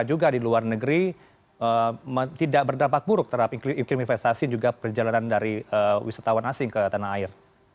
juga di luar negeri tidak berdampak buruk terhadap iklim investasi juga perjalanan dari wisatawan asing ke tanah air